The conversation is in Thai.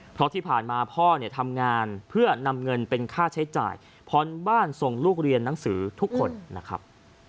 เพราะที่ผ่านมาพ่อเนี่ยทำงานเพื่อนำเงินเป็นค่าใช้จ่ายผ่อนบ้านส่งลูกเรียนหนังสือทุกคนนะครับ